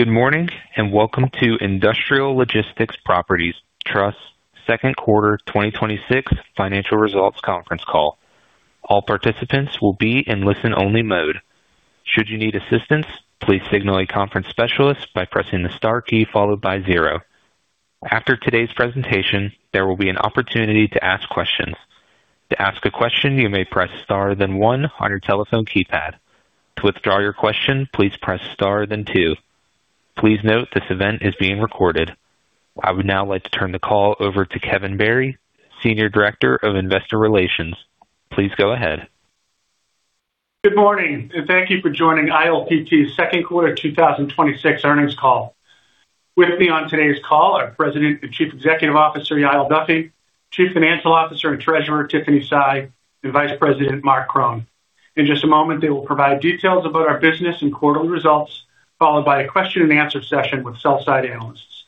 Good morning, and welcome to Industrial Logistics Properties Trust's second quarter 2026 financial results conference call. All participants will be in listen-only mode. Should you need assistance, please signal a conference specialist by pressing the star key, followed by zero. After today's presentation, there will be an opportunity to ask questions. To ask a question, you may press star then one on your telephone keypad. To withdraw your question, please press star then two. Please note this event is being recorded. I would now like to turn the call over to Kevin Barry, Senior Director of Investor Relations. Please go ahead. Good morning, and thank you for joining ILPT's second quarter 2026 earnings call. With me on today's call are President and Chief Executive Officer, Yael Duffy, Chief Financial Officer and Treasurer, Tiffany Sy, and Vice President, Marc Krohn. In just a moment, they will provide details about our business and quarterly results, followed by a question and answer session with sell-side analysts.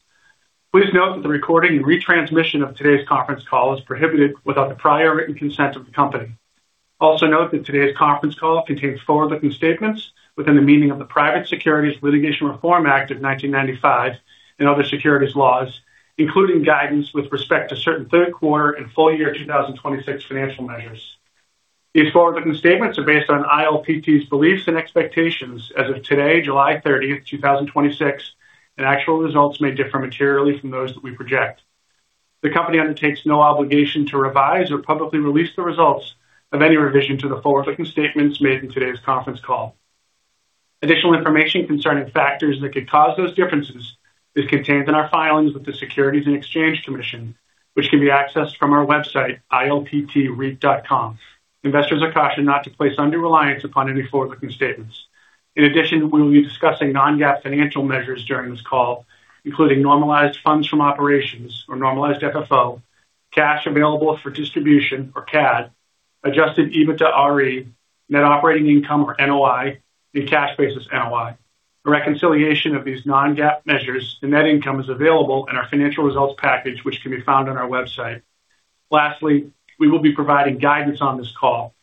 Please note that the recording and retransmission of today's conference call is prohibited without the prior written consent of the company. Also note that today's conference call contains forward-looking statements within the meaning of the Private Securities Litigation Reform Act of 1995 and other securities laws, including guidance with respect to certain third quarter and full year 2026 financial measures. These forward-looking statements are based on ILPT's beliefs and expectations as of today, July 30th, 2026, and actual results may differ materially from those that we project. The company undertakes no obligation to revise or publicly release the results of any revision to the forward-looking statements made in today's conference call. Additional information concerning factors that could cause those differences is contained in our filings with the Securities and Exchange Commission, which can be accessed from our website, ilptreit.com. Investors are cautioned not to place undue reliance upon any forward-looking statements. In addition, we will be discussing non-GAAP financial measures during this call, including normalized funds from operations or normalized FFO, Cash Available for Distribution or CAD, adjusted EBITDAre, net operating income or NOI, and Cash Basis NOI. A reconciliation of these non-GAAP measures to net income is available in our financial results package, which can be found on our website. Lastly, we will be providing guidance on this call,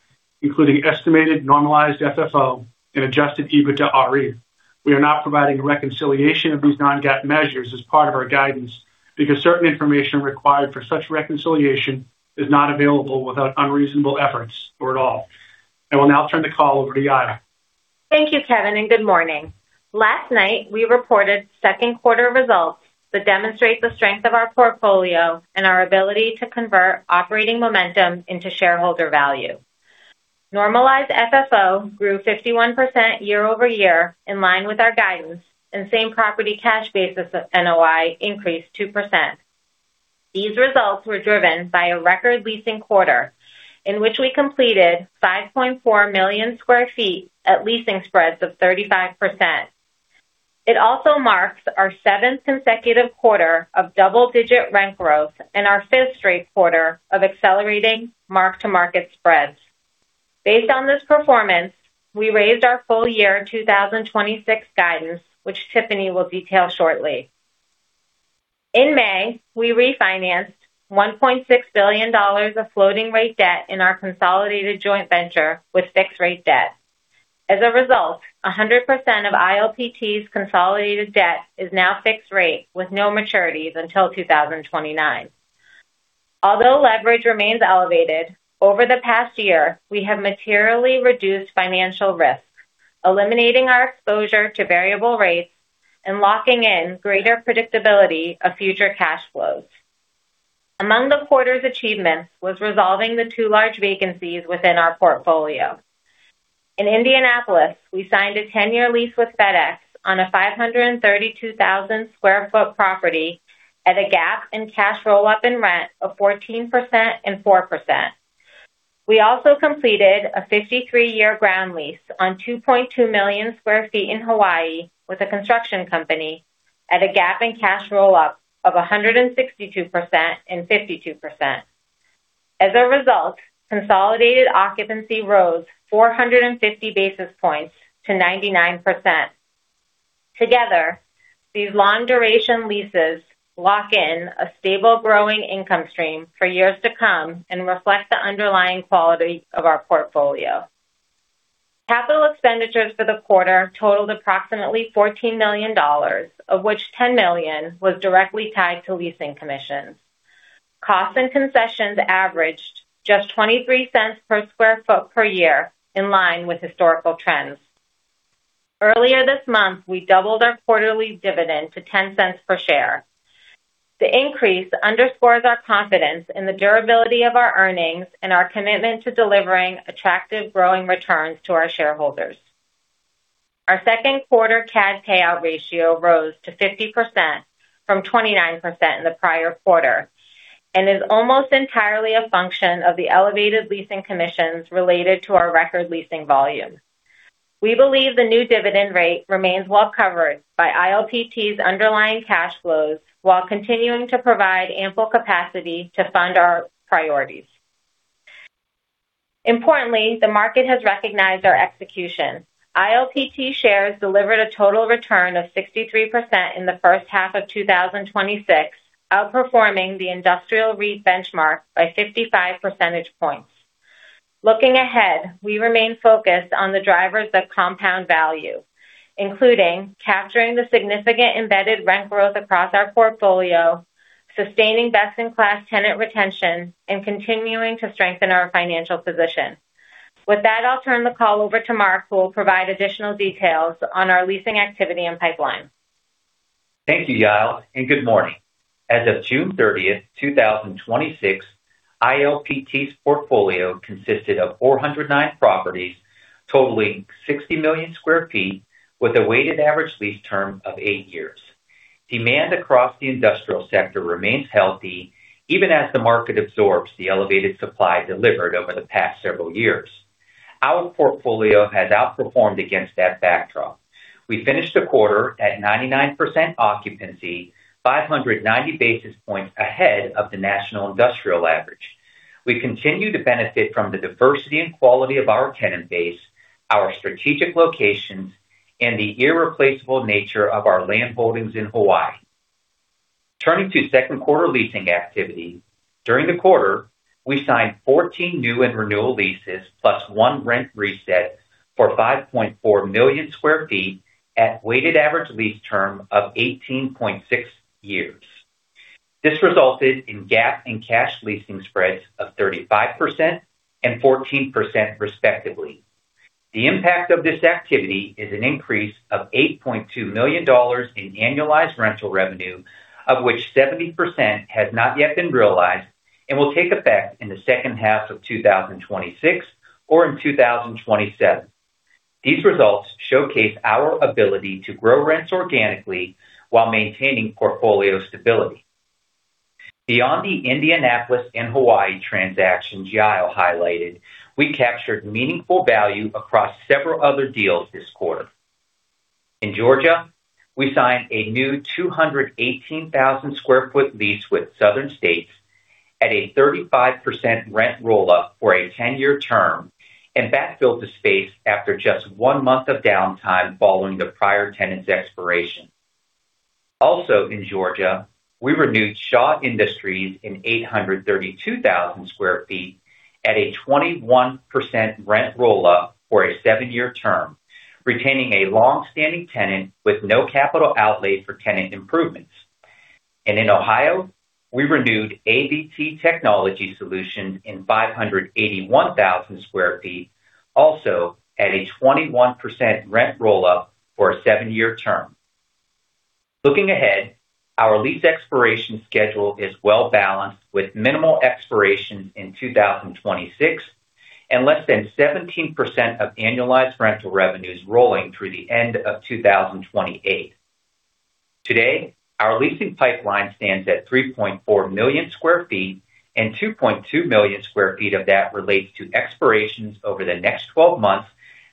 including estimated normalized FFO and adjusted EBITDAre. We are not providing a reconciliation of these non-GAAP measures as part of our guidance because certain information required for such reconciliation is not available without unreasonable efforts or at all. I will now turn the call over to Yael. Thank you, Kevin, and good morning. Last night, we reported second quarter results that demonstrate the strength of our portfolio and our ability to convert operating momentum into shareholder value. Normalized FFO grew 51% year-over-year in line with our guidance and same property Cash Basis NOI increased 2%. These results were driven by a record leasing quarter in which we completed 5.4 million sq ft at leasing spreads of 35%. It also marks our seventh consecutive quarter of double-digit rent growth and our fifth straight quarter of accelerating mark-to-market spreads. Based on this performance, we raised our full year 2026 guidance, which Tiffany will detail shortly. In May, we refinanced $1.6 billion of floating rate debt in our consolidated joint venture with fixed rate debt. As a result, 100% of ILPT's consolidated debt is now fixed rate with no maturities until 2029. Although leverage remains elevated, over the past year, we have materially reduced financial risk, eliminating our exposure to variable rates and locking in greater predictability of future cash flows. Among the quarter's achievements was resolving the two large vacancies within our portfolio. In Indianapolis, we signed a 10-year lease with FedEx on a 532,000 sq ft property at a gap in cash roll-up and rent of 14% and 4%. We also completed a 53-year ground lease on 2.2 million sq ft in Hawaii with a construction company at a gap in cash roll-up of 162% and 52%. As a result, consolidated occupancy rose 450 basis points to 99%. Together, these long duration leases lock in a stable growing income stream for years to come and reflect the underlying quality of our portfolio. Capital expenditures for the quarter totaled approximately $14 million, of which $10 million was directly tied to leasing commissions. Costs and concessions averaged just $0.23 per sq ft per year in line with historical trends. Earlier this month, we doubled our quarterly dividend to $0.10 per share. The increase underscores our confidence in the durability of our earnings and our commitment to delivering attractive growing returns to our shareholders. Our second quarter CAD payout ratio rose to 50% from 29% in the prior quarter and is almost entirely a function of the elevated leasing commissions related to our record leasing volume. We believe the new dividend rate remains well covered by ILPT's underlying cash flows while continuing to provide ample capacity to fund our priorities. Importantly, the market has recognized our execution. ILPT shares delivered a total return of 63% in the first half of 2026, outperforming the industrial REIT benchmark by 55 percentage points. Looking ahead, we remain focused on the drivers that compound value, including capturing the significant embedded rent growth across our portfolio, sustaining best-in-class tenant retention, and continuing to strengthen our financial position. With that, I'll turn the call over to Marc, who will provide additional details on our leasing activity and pipeline. Thank you, Yael, and good morning. As of June 30th, 2026, ILPT's portfolio consisted of 409 properties totaling 60 million sq ft, with a weighted average lease term of eight years. Demand across the industrial sector remains healthy even as the market absorbs the elevated supply delivered over the past several years. Our portfolio has outperformed against that backdrop. We finished the quarter at 99% occupancy, 590 basis points ahead of the national industrial average. We continue to benefit from the diversity and quality of our tenant base, our strategic locations, and the irreplaceable nature of our land holdings in Hawaii. Turning to second quarter leasing activity. During the quarter, we signed 14 new and renewal leases plus one rent reset for 5.4 million sq ft at weighted average lease term of 18.6 years. This resulted in GAAP and cash leasing spreads of 35% and 14%, respectively. The impact of this activity is an increase of $8.2 million in annualized rental revenue, of which 70% has not yet been realized and will take effect in the second half of 2026 or in 2027. These results showcase our ability to grow rents organically while maintaining portfolio stability. Beyond the Indianapolis and Hawaii transactions Yael highlighted, we captured meaningful value across several other deals this quarter. In Georgia, we signed a new 218,000 square foot lease with Southern States at a 35% rent roll-up for a 10-year term, and backfilled the space after just one month of downtime following the prior tenant's expiration. Also, in Georgia, we renewed Shaw Industries in 832,000 sq ft at a 21% rent roll-up for a seven-year term, retaining a longstanding tenant with no capital outlay for tenant improvements. In Ohio, we renewed ABC Technology Solutions in 581,000 sq ft, also at a 21% rent roll-up for a seven-year term. Looking ahead, our lease expiration schedule is well balanced, with minimal expirations in 2026 and less than 17% of annualized rental revenues rolling through the end of 2028. Today, our leasing pipeline stands at 3.4 million sq ft, and 2.2 million sq ft of that relates to expirations over the next 12 months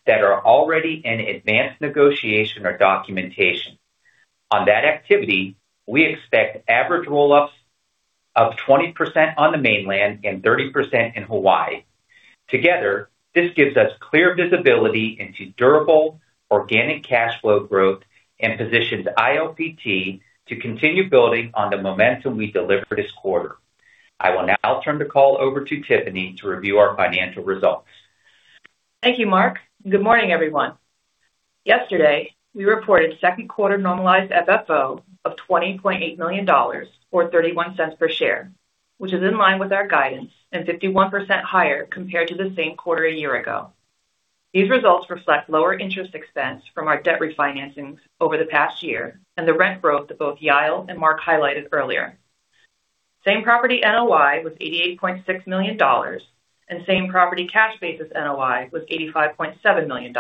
that are already in advanced negotiation or documentation. On that activity, we expect average roll-ups of 20% on the mainland and 30% in Hawaii. Together, this gives us clear visibility into durable organic cash flow growth and positions ILPT to continue building on the momentum we delivered this quarter. I will now turn the call over to Tiffany to review our financial results. Thank you, Marc. Good morning, everyone. Yesterday, we reported second quarter normalized FFO of $20.8 million, or $0.31 per share, which is in line with our guidance and 51% higher compared to the same quarter a year ago. These results reflect lower interest expense from our debt refinancing over the past year and the rent growth that both Yael and Marc highlighted earlier. Same property NOI was $88.6 million, and same property Cash Basis NOI was $85.7 million,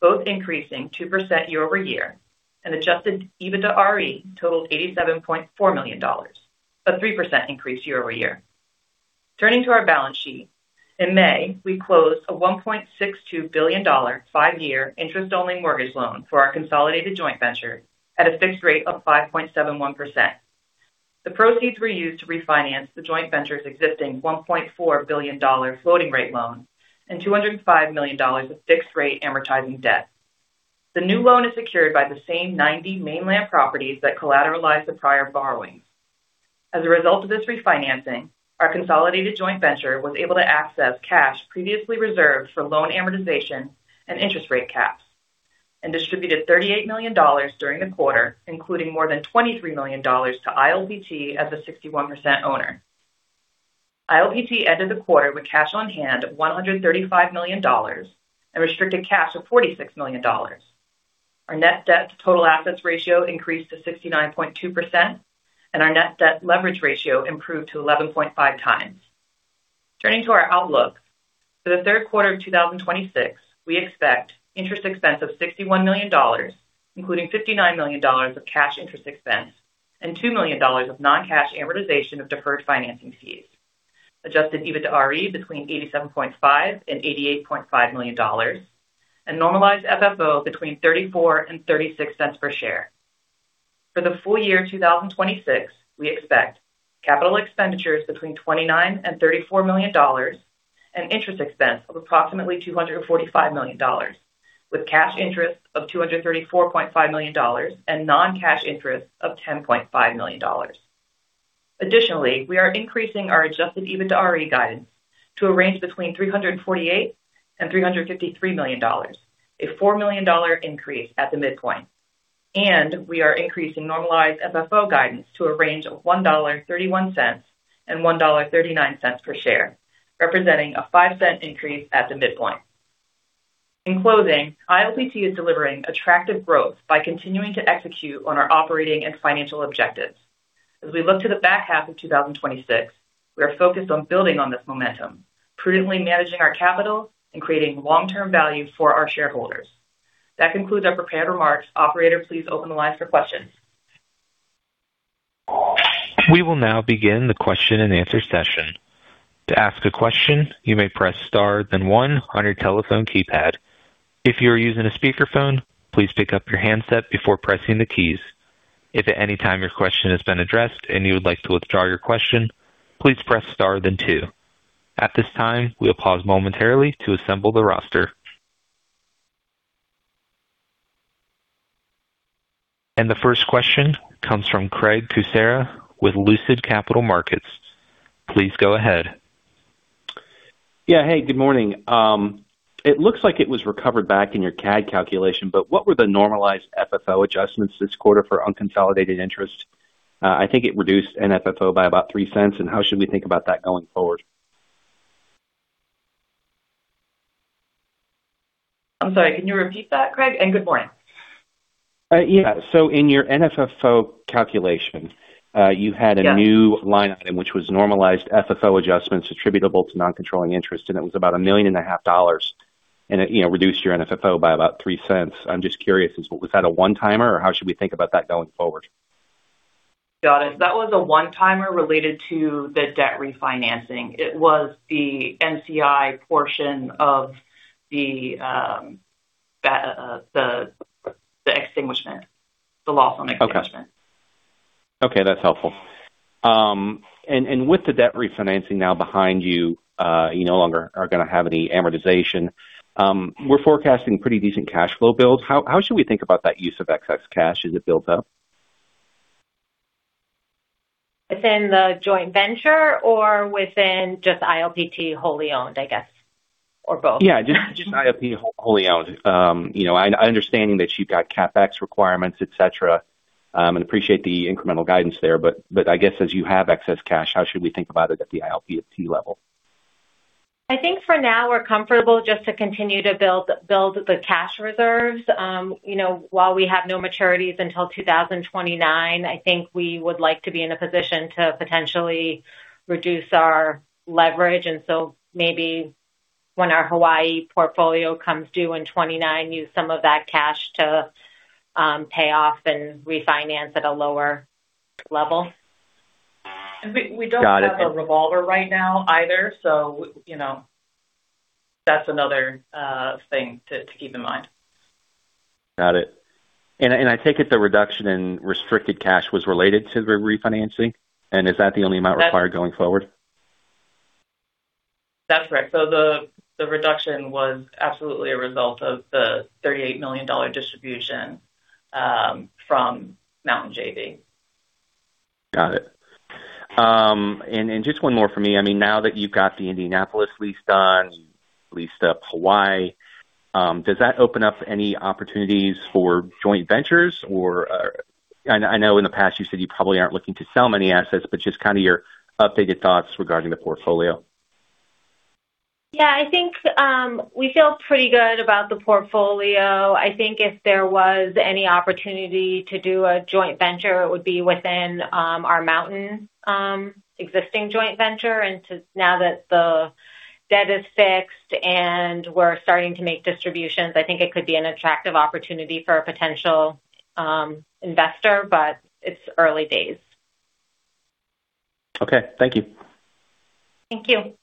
both increasing 2% year-over-year. Adjusted EBITDAre totaled $87.4 million, a 3% increase year-over-year. Turning to our balance sheet. In May, we closed a $1.62 billion five-year interest-only mortgage loan for our consolidated joint venture at a fixed rate of 5.71%. The proceeds were used to refinance the joint venture's existing $1.4 billion floating rate loan and $205 million of fixed rate amortizing debt. The new loan is secured by the same 90 mainland properties that collateralized the prior borrowing. As a result of this refinancing, our consolidated joint venture was able to access cash previously reserved for loan amortization and interest rate caps and distributed $38 million during the quarter, including more than $23 million to ILPT as a 61% owner. ILPT ended the quarter with cash on hand of $135 million and restricted cash of $46 million. Our net debt to total assets ratio increased to 69.2%, and our net debt leverage ratio improved to 11.5x. Turning to our outlook. For the third quarter of 2026, we expect interest expense of $61 million, including $59 million of cash interest expense and $2 million of non-cash amortization of deferred financing fees. Adjusted EBITDAre between $87.5 million and $88.5 million, and normalized FFO between $0.34 and $0.36 per share. For the full year 2026, we expect capital expenditures between $29 million and $34 million and interest expense of approximately $245 million, with cash interest of $234.5 million and non-cash interest of $10.5 million. Additionally, we are increasing our adjusted EBITDAre guidance to a range between $348 million and $353 million, a $4 million increase at the midpoint. We are increasing normalized FFO guidance to a range of $1.31 and $1.39 per share, representing a $0.05 increase at the midpoint. In closing, ILPT is delivering attractive growth by continuing to execute on our operating and financial objectives. As we look to the back half of 2026, we are focused on building on this momentum, prudently managing our capital, and creating long-term value for our shareholders. That concludes our prepared remarks. Operator, please open the line for questions. We will now begin the question and answer session. To ask a question, you may press star, then one on your telephone keypad. If you are using a speakerphone, please pick up your handset before pressing the keys. If at any time your question has been addressed and you would like to withdraw your question, please press star then two. At this time, we'll pause momentarily to assemble the roster. The first question comes from Craig Kucera with Lucid Capital Markets. Please go ahead. Hey, good morning. It looks like it was recovered back in your CAD calculation, but what were the Normalized FFO adjustments this quarter for unconsolidated interest? I think it reduced an FFO by about $0.03, and how should we think about that going forward? I'm sorry, can you repeat that, Craig? Good morning. Yeah. In your NFFO calculation, you had a new line item which was normalized FFO adjustments attributable to non-controlling interest, and it was about a $1.5 million and it reduced your NFFO by about $0.03. I'm just curious, was that a one-timer or how should we think about that going forward? Got it. That was a one-timer related to the debt refinancing. It was the NCI portion of the extinguishment, the loss on extinguishment. Okay. That's helpful. With the debt refinancing now behind you no longer are going to have any amortization. We're forecasting pretty decent cash flow builds. How should we think about that use of excess cash as it builds up? Within the joint venture or within just ILPT wholly owned, I guess? Or both. Yeah, just ILPT wholly owned. Understanding that you've got CapEx requirements, et cetera, and appreciate the incremental guidance there. I guess as you have excess cash, how should we think about it at the ILPT level? I think for now we're comfortable just to continue to build the cash reserves. While we have no maturities until 2029, I think we would like to be in a position to potentially reduce our leverage. Maybe when our Hawaii portfolio comes due in 2029, use some of that cash to pay off and refinance at a lower level. We don't have a revolver right now either. That's another thing to keep in mind. Got it. I take it the reduction in restricted cash was related to the refinancing, and is that the only amount required going forward? That's right. The reduction was absolutely a result of the $38 million distribution from Mountain JV. Got it. Just one more for me. Now that you've got the Indianapolis lease done, leased up Hawaii, does that open up any opportunities for joint ventures? I know in the past you said you probably aren't looking to sell many assets, just kind of your updated thoughts regarding the portfolio. Yeah, I think we feel pretty good about the portfolio. I think if there was any opportunity to do a joint venture, it would be within our Mountain existing joint venture. Now that the debt is fixed and we're starting to make distributions, I think it could be an attractive opportunity for a potential investor, it's early days. Okay. Thank you. Thank you.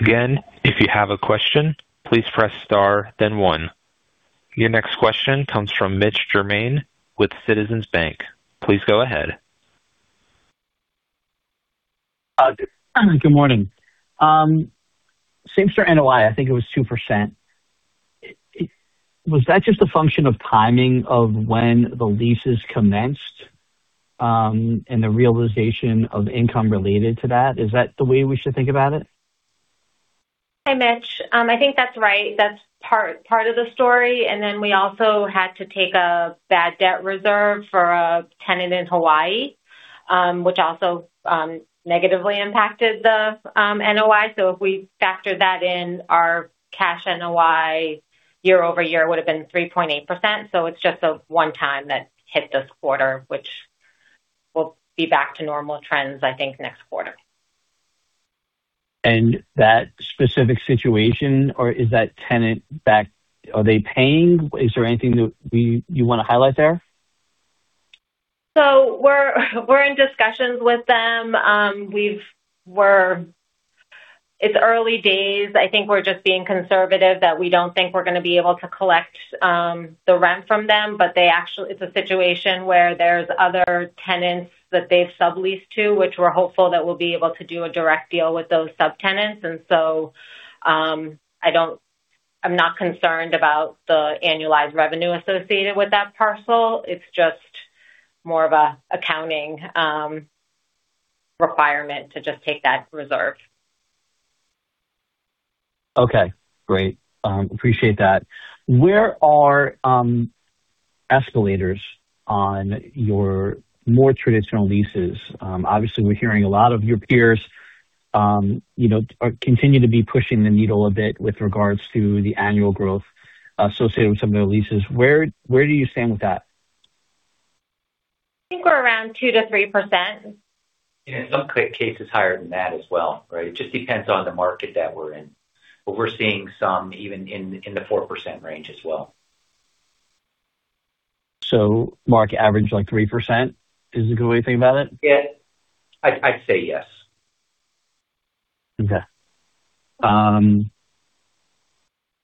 Again, if you have a question, please press star then one. Your next question comes from Mitch Germain with Citizens Bank. Please go ahead. Good morning. Same-store NOI, I think it was 2%. Was that just a function of timing of when the leases commenced, and the realization of income related to that? Is that the way we should think about it? Hi, Mitch. I think that's right. That's part of the story. We also had to take a bad debt reserve for a tenant in Hawaii, which also negatively impacted the NOI. If we factored that in, our cash NOI year-over-year would've been 3.8%. It's just a one-time that hit this quarter, which will be back to normal trends, I think, next quarter. That specific situation, or is that tenant back? Are they paying? Is there anything that you want to highlight there? We're in discussions with them. It's early days. I think we're just being conservative that we don't think we're going to be able to collect the rent from them. It's a situation where there's other tenants that they've subleased to, which we're hopeful that we'll be able to do a direct deal with those subtenants. I don't I'm not concerned about the annualized revenue associated with that parcel. It's just more of a accounting requirement to just take that reserve. Okay, great. Appreciate that. Where are escalators on your more traditional leases? Obviously, we're hearing a lot of your peers continue to be pushing the needle a bit with regards to the annual growth associated with some of their leases. Where do you stand with that? I think we're around 2%-3%. In some cases higher than that as well, right? It just depends on the market that we're in. We're seeing some even in the 4% range as well. Market average, like 3%, is a good way to think about it? Yeah. I'd say yes. Okay.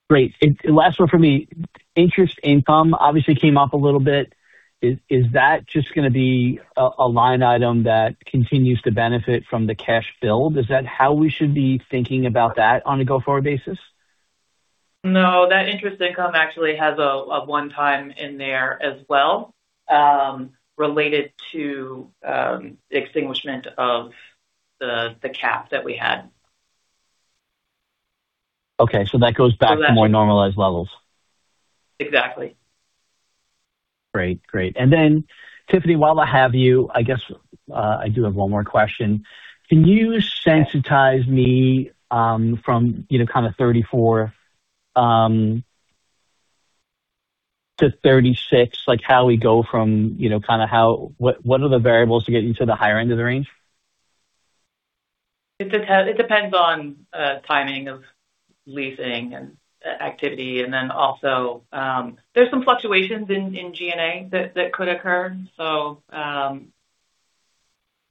Great. Last one from me. Interest income obviously came up a little bit. Is that just going to be a line item that continues to benefit from the cash build? Is that how we should be thinking about that on a go-forward basis? That interest income actually has a one-time in there as well, related to the extinguishment of the cap that we had. That goes back to more normalized levels. Exactly. Great. Tiffany, while I have you, I guess I do have one more question. Can you sensitize me from 34 to 36, what are the variables to get you to the higher end of the range? It depends on timing of leasing and activity, also there's some fluctuations in G&A that could occur.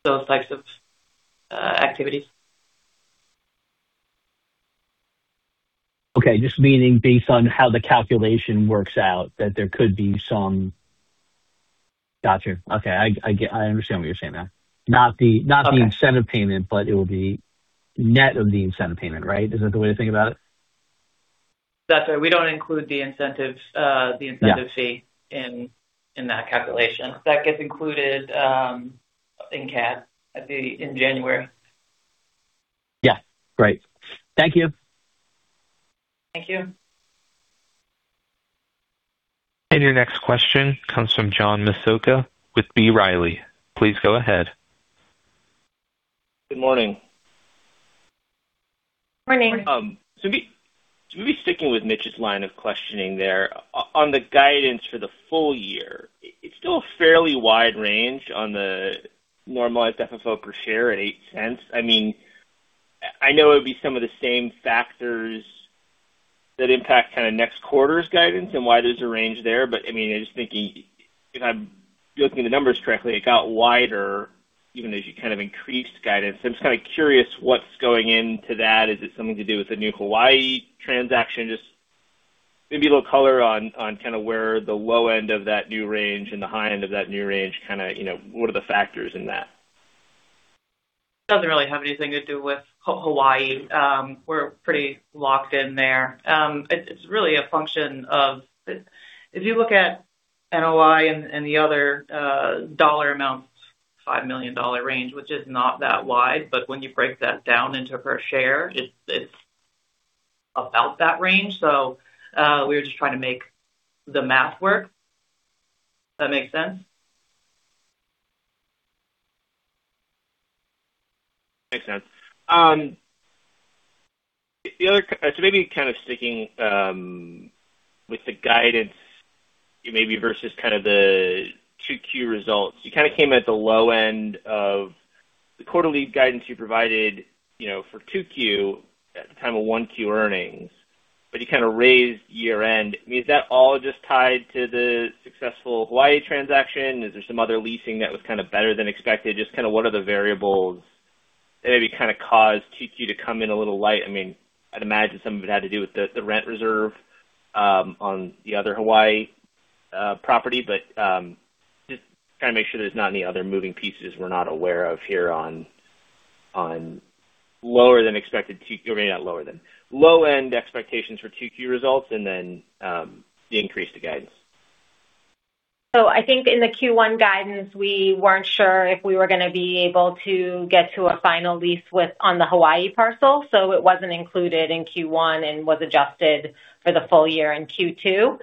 Those types of activities. Okay. Just meaning based on how the calculation works out, that there could be some. Got you. Okay. I understand what you're saying now. Not the incentive payment, it will be net of the incentive payment, right? Is that the way to think about it? That's right. We don't include the incentive fee in that calculation. That gets included in CAD in January. Yeah. Great. Thank you. Thank you. Your next question comes from John Massocca with B. Riley. Please go ahead. Good morning. Morning. Maybe sticking with Mitch's line of questioning there. On the guidance for the full year, it's still a fairly wide range on the normalized FFO per share at $0.08. I know it would be some of the same factors that impact kind of next quarter's guidance and why there's a range there. I'm just thinking, if I'm looking at the numbers correctly, it got wider even as you kind of increased guidance. I'm just kind of curious what's going into that. Is it something to do with the new Hawaii transaction? Just maybe a little color on where the low end of that new range and the high end of that new range, what are the factors in that? Doesn't really have anything to do with Hawaii. We're pretty locked in there. It's really a function of, if you look at NOI and the other dollar amounts, a $5 million range, which is not that wide, but when you break that down into per share, it's about that range. We were just trying to make the math work. Does that make sense? Makes sense. Maybe kind of sticking with the guidance maybe versus the 2Q results. You kind of came at the low end of the quarterly guidance you provided for 2Q at the time of 1Q earnings, but you kind of raised year-end. Is that all just tied to the successful Hawaii transaction? Is there some other leasing that was kind of better than expected? Just what are the variables that maybe kind of caused 2Q to come in a little light? I'd imagine some of it had to do with the rent reserve on the other Hawaii property, but just trying to make sure there's not any other moving pieces we're not aware of here on lower than expected 2Q. Maybe not lower than. Low-end expectations for 2Q results, the increase to guidance. I think in the Q1 guidance, we weren't sure if we were going to be able to get to a final lease on the Hawaii parcel. It wasn't included in Q1, was adjusted for the full year in Q2.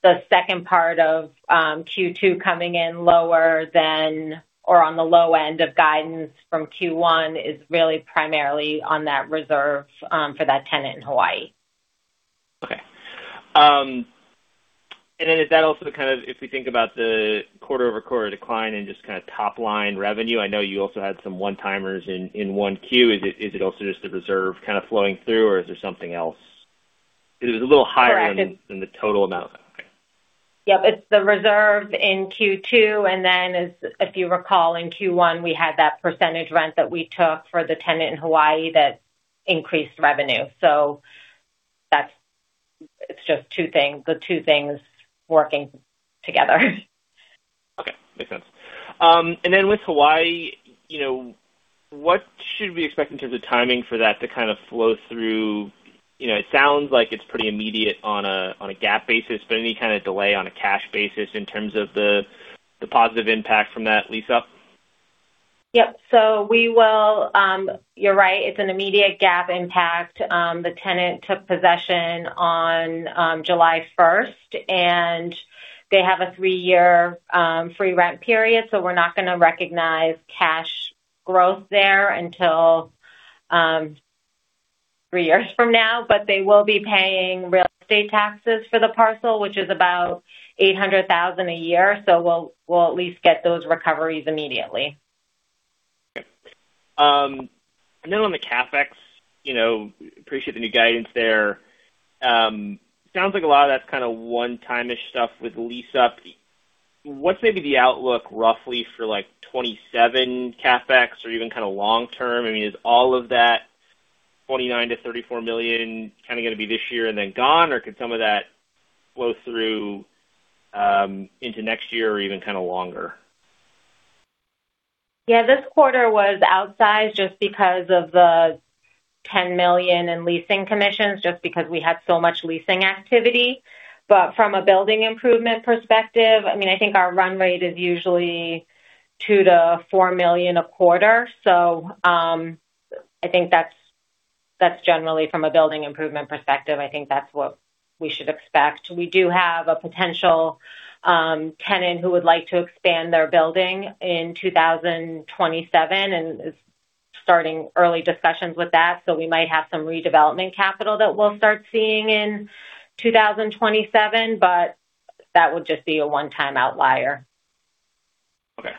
The second part of Q2 coming in lower than, or on the low end of guidance from Q1 is really primarily on that reserve for that tenant in Hawaii. Okay. If we think about the quarter-over-quarter decline and just kind of top line revenue, I know you also had some one-timers in 1Q. Is it also just the reserve kind of flowing through or is there something else? It was a little higher- Correct than the total amount. Okay. Yep. It's the reserve in Q2, if you recall, in Q1, we had that percentage rent that we took for the tenant in Hawaii that increased revenue. That's. It's just the two things working together. Okay. Makes sense. With Hawaii, what should we expect in terms of timing for that to kind of flow through? It sounds like it's pretty immediate on a GAAP basis, but any kind of delay on a Cash Basis in terms of the positive impact from that lease-up? Yep. You're right, it's an immediate GAAP impact. The tenant took possession on July 1st, and they have a three-year free rent period, we're not going to recognize cash growth there until three years from now. They will be paying real estate taxes for the parcel, which is about $800,000 a year. We'll at least get those recoveries immediately. Okay. On the CapEx, appreciate the new guidance there. Sounds like a lot of that's kind of one-timish stuff with lease-up. What's maybe the outlook roughly for 2027 CapEx or even kind of long term? I mean, is all of that $29 million-$34 million kind of going to be this year and then gone, or could some of that flow through into next year or even kind of longer? Yeah. This quarter was outsized just because of the $10 million in leasing commissions, just because we had so much leasing activity. From a building improvement perspective, I think our run rate is usually $2 million-$4 million a quarter. I think that's generally from a building improvement perspective, I think that's what we should expect. We do have a potential tenant who would like to expand their building in 2027 and is starting early discussions with that. We might have some redevelopment capital that we'll start seeing in 2027, but that would just be a one-time outlier. Okay.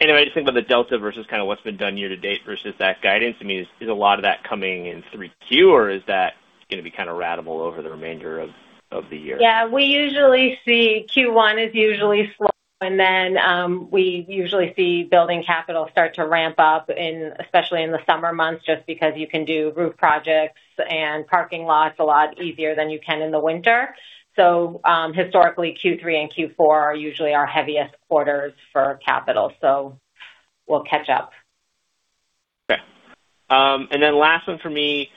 When you think about the delta versus kind of what's been done year-to-date versus that guidance, is a lot of that coming in 3Q, or is that going to be kind of ratable over the remainder of the year? Yeah. We usually see Q1 is usually slow and then we usually see building capital start to ramp up, especially in the summer months, just because you can do roof projects and parking lots a lot easier than you can in the winter. Historically Q3 and Q4 are usually our heaviest quarters for capital. We'll catch up. Okay. Last one for me.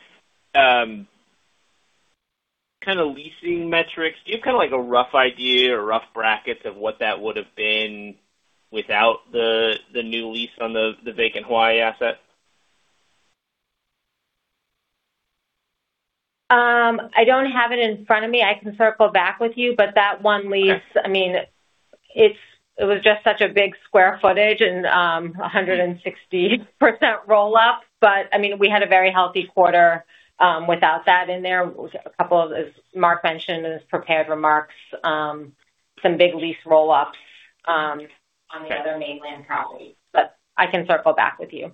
Kind of leasing metrics. Do you have kind of like a rough idea or rough brackets of what that would've been without the new lease on the vacant Hawaii asset? I don't have it in front of me. I can circle back with you, that one lease, it was just such a big square footage and 160% roll-up, we had a very healthy quarter without that in there. As Marc mentioned in his prepared remarks, some big lease roll-ups on the other mainland properties. I can circle back with you.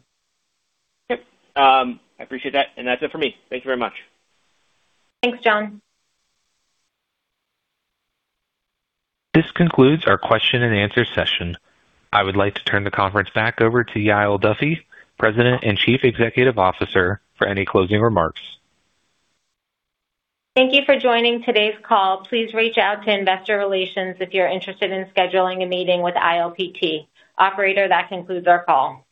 Yep. I appreciate that. That's it for me. Thank you very much. Thanks, John. This concludes our question and answer session. I would like to turn the conference back over to Yael Duffy, President and Chief Executive Officer, for any closing remarks. Thank you for joining today's call. Please reach out to investor relations if you're interested in scheduling a meeting with ILPT. Operator, that concludes our call.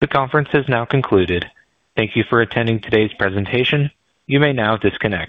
The conference has now concluded. Thank you for attending today's presentation. You may now disconnect.